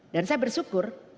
dan saya bersyukur